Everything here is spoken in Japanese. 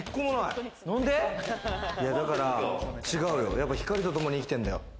やっぱり光と共に生きてんだよ。